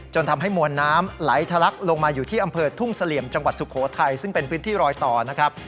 ทำให้มวลน้ำไหลทะลักลงมาอยู่ที่อำเภอทุ่งเสลี่ยมจังหวัดสุโขทัยซึ่งเป็นพื้นที่รอยต่อนะครับ